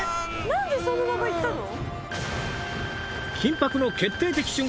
何でそのままいったの？